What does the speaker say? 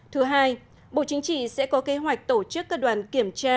thứ hai bộ chính trị sẽ có kế hoạch tổ chức các đoàn kiểm tra